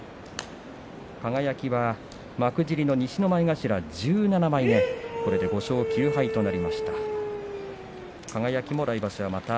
輝は西の前頭１７枚目５勝９敗となりました。